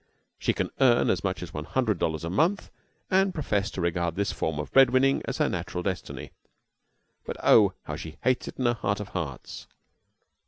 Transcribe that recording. She can earn as much as one hundred dollars a month, and professes to regard this form of bread winning as her natural destiny. But, oh! how she hates it in her heart of hearts!